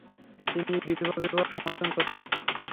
তিনি বিধবাবিবাহ সমর্থন করতেন।